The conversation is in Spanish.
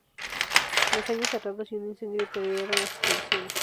Los años cerrados y un incendio deterioran las instalaciones.